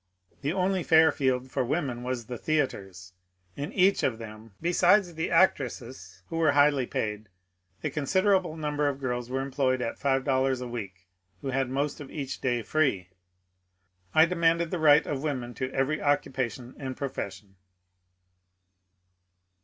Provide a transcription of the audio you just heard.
The only fair field for women was the theatres ; in each of them, besides the actresses, who were highly paid, a considerable number of girls were em ployed at $5 a week, who had most of each day free. I de manded the right of women to every occupation and profession.